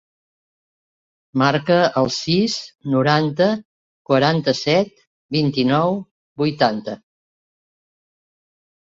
Marca el sis, noranta, quaranta-set, vint-i-nou, vuitanta.